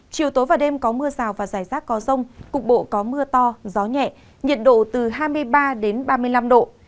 chiều tối và đêm có mưa xào và rông cục bộ có mưa to gió nhẹ nhiệt độ từ hai mươi ba đến ba mươi năm độ